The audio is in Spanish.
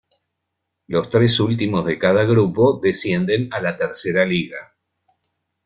Los tres últimos de cada grupo descienden a la Tercera Liga.